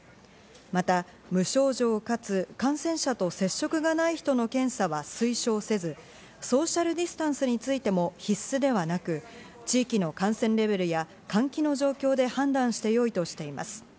また無症状かつ感染者と接触がない人の検査は推奨せず、ソーシャルディスタンスについても必須ではなく、地域の感染レベルや換気の状況で判断してよいとしています。